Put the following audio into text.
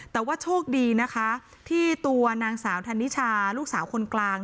แต่ว่าโชคดีนะคะที่ตัวนางสาวธนิชาลูกสาวคนกลาง